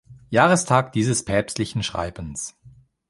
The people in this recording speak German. Jahrestag dieses päpstlichen Schreibens.